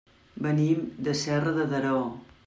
Venim de Serra de Daró.